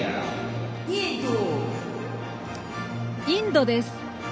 インドです。